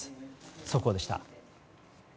速報でした。